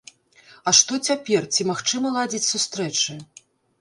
А што цяпер, ці магчыма ладзіць сустрэчы?